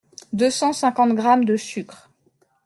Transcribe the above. deux cent cinquantes grammes de sucre